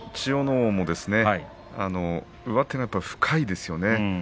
皇も上手が深いですよね。